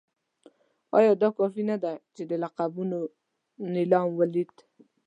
ایا دا کافي نه ده چې د لقبونو نېلام ولید.